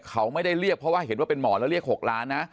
เขาไม่ได้เรียกเพราะว่าเห็นว่าเป็นหมอแล้วเรียก๖ล้านนะ